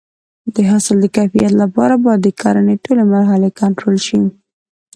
د حاصل د ښه کیفیت لپاره باید د کرنې ټولې مرحلې کنټرول شي.